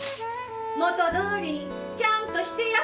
元どおりにちゃんとしてや。